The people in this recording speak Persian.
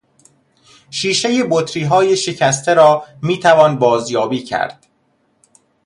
شیشهی بطریهای شکسته را میتوان بازیابی کرد.